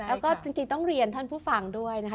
แล้วก็จริงต้องเรียนท่านผู้ฟังด้วยนะคะ